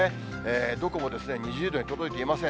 どこも２０度に届いていません。